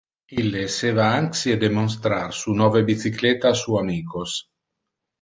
Ille esseva anxie de monstrar su nove bicycletta a su amicos.